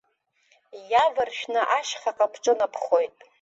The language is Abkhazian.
Иаваршәны ашьхаҟа бҿынабхоит.